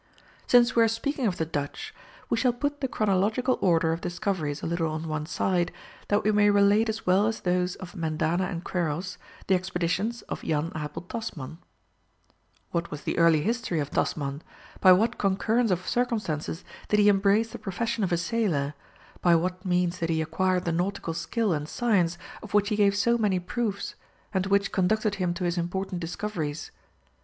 Since we are speaking of the Dutch, we shall put the chronological order of discoveries a little on one side, that we may relate as well as those of Mendana and Quiros, the expeditions of Jan Abel Tasman. What was the early history of Tasman, by what concurrence of circumstances did he embrace the profession of a sailor, by what means did he acquire the nautical skill and science of which he gave so many proofs, and which conducted him to his important discoveries?